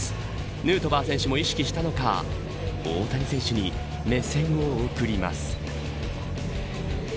ヌートバー選手も意識したのか大谷選手に目線を送ります。